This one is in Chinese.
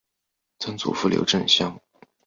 曾祖父刘震乡。